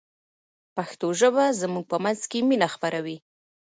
پښتو ژبه زموږ په منځ کې مینه خپروي.